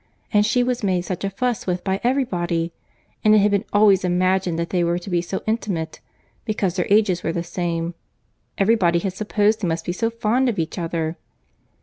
—and she was made such a fuss with by every body!—and it had been always imagined that they were to be so intimate—because their ages were the same, every body had supposed they must be so fond of each other."